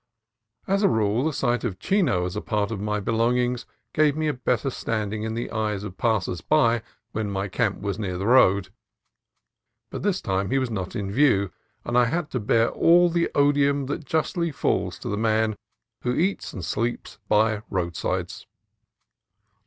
As a rule the sight of Chino as a part of my belongings gave me a better standing in the eyes of passers by when my camp was near the road ; but this time he was not in view, and I had to bear all the odium that justly falls to the man who eats and sleeps by roadsides.